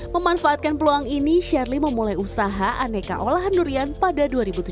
memanfaatkan peluang ini shirley memulai usaha aneka olahan durian pada dua ribu tujuh belas